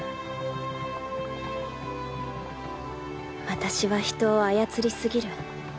私は人を操りすぎる。